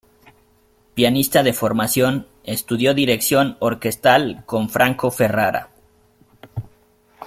Pianista de formación, estudió dirección orquestal con Franco Ferrara.